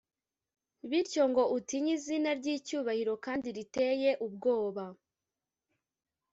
bityo ngo utinye izina ry’icyubahiro kandi riteye ubwoba,